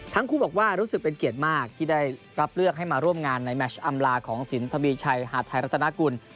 ทั้งคู่บอกว่ารู้สึกเป็นเกียรติมากที่ได้รับเลือกให้มาร่วมงานในแมชอำลาของสินทวีชัยหาดไทยรัฐนากุล